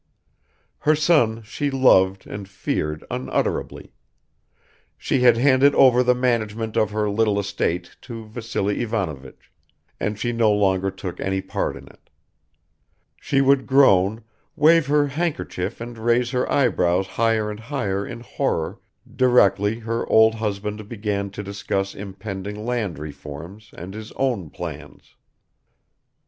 Her son she loved and feared unutterably; she had handed over the management of her little estate to Vassily Ivanovich and she no longer took any part in it; she would groan, wave her handkerchief and raise her eyebrows higher and higher in horror directly her old husband began to discuss impending land reforms and his own plans.